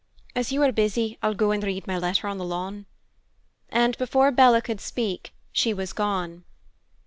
As you are busy, I'll go and read my letter on the lawn." And before Bella could speak, she was gone.